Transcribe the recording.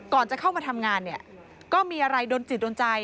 จะเข้ามาทำงานเนี่ยก็มีอะไรโดนจิตโดนใจ